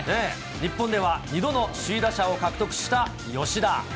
日本では２度の首位打者を獲得した吉田。